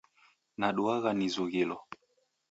Naduagha nizughilo.